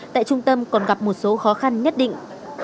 tại trung tâm còn gặp một số khó khăn nhất định